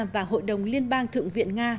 và hội đồng liên bang thượng viện nga